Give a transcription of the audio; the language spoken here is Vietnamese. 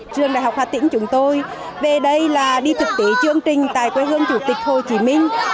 trường đại học hà tĩnh chúng tôi về đây là đi thực tế chương trình tại quê hương chủ tịch hồ chí minh